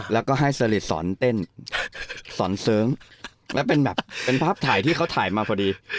แล้วก็ให้สลิดสอนเต้นสอนเสริงแล้วเป็นแบบเป็นภาพถ่ายที่เขาถ่ายมาพอดี